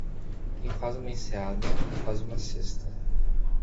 Quem faz uma enseada, faz uma cesta.